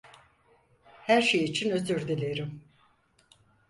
Her şey için özür dilerim.